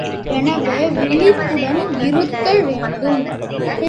எனவே விழிப்புடன் இருத்தல் வேண்டும்.